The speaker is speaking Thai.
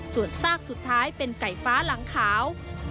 ส่วนซากสุดท้ายเป็นไก่ฟ้าหลังขาว